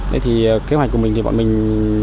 thế thì kế hoạch của mình thì bọn mình